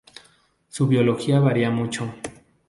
Su biología varía mucho.